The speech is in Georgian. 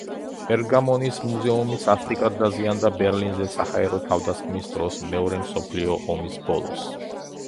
პერგამონის მუზეუმი სასტიკად დაზიანდა ბერლინზე საჰაერო თავდასხმის დროს მეორე მსოფლიო ომის ბოლოს.